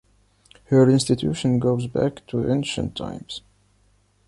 Her institution goes back to ancient times.